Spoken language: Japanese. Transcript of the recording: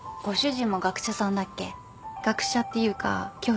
学者っていうか教師。